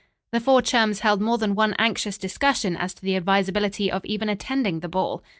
The four chums held more than one anxious discussion as to the advisability of even attending the ball.